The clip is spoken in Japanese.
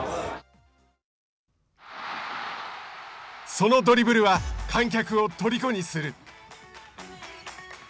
そのドリブルは観客をとりこにする。